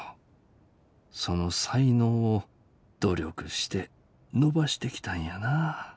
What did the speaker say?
その才能を努力して伸ばしてきたんやな。